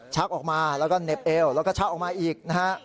ชักออกมาแล้วก็เหน็บเอวแล้วก็ชักออกมาอีกนะฮะ